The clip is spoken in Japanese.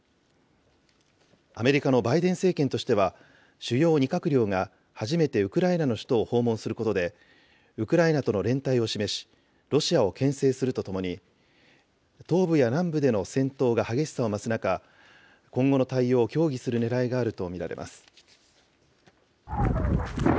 アメリカのバイデン政権としては、主要２閣僚が、初めてウクライナの首都を訪問することで、ウクライナとの連帯を示し、ロシアをけん制するとともに、東部や南部での戦闘が激しさを増す中、今後の対応を協議するねらいがあると見られます。